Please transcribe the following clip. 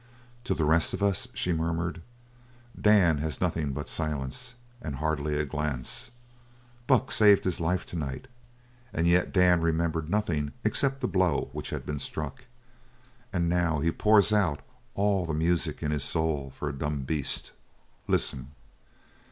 "To the rest of us," she murmured, "Dan has nothing but silence, and hardly a glance. Buck saved his life to night, and yet Dan remembered nothing except the blow which had been struck. And now now he pours out all the music in his soul for a dumb beast. Listen!"